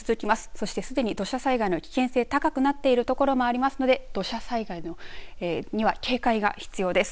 そして、すでに土砂災害の危険性が高くなっている所もありますので土砂災害には警戒が必要です。